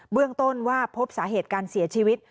เบื้องต้นว่าพบสาเหตุการเสียชีวิต